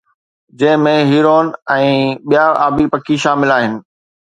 جنهن ۾ هيرون ۽ ٻيا آبي پکي شامل آهن